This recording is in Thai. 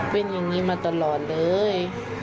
เป็นอย่างนี้มาตลอดเลย